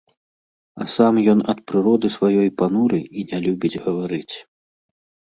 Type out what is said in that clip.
А сам ён ад прыроды сваёй пануры і не любіць гаварыць.